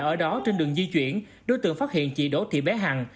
ở đó trên đường di chuyển đối tượng phát hiện chị đỗ thị bé hằng